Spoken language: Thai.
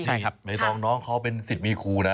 ไม่ต้องน้องเขาเป็นศิษฐ์มีครูนะ